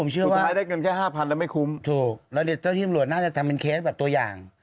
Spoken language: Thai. เจ้าทีมรวชน่าจะทำเป็นเคสแบบตัวอย่าง